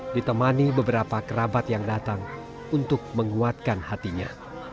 ditemani beberapa kerabat yang datang untuk menguatkan hatinya